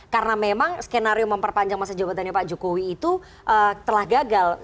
karena memang skenario memperpanjang masa jabatannya pak jokowi itu telah gagal